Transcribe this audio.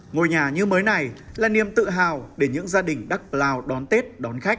ngôi nhà như mới này là niềm tự hào để những gia đình đắk lao đón tết đón khách